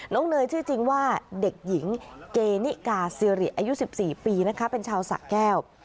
เนยชื่อจริงว่าเด็กหญิงเกนิกาซิริอายุ๑๔ปีนะคะเป็นชาวสะแก้ว